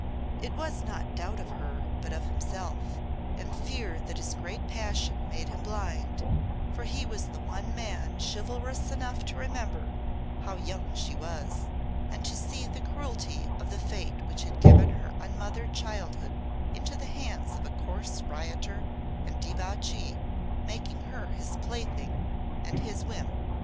It was not doubt of her, but of himself, and fear that his great passion made him blind; for he was the one man chivalrous enough to remember how young she was, and to see the cruelty of the Fate which had given her unmothered childhood into the hands of a coarse rioter and debauchee, making her his plaything and his whim.